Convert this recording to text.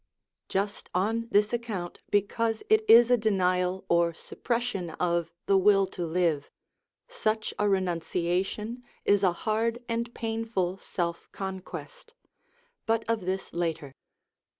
Just on this account, because it is a denial or suppression of the will to live, such a renunciation is a hard and painful self conquest; but of this later.